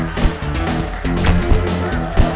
kamu di luar kan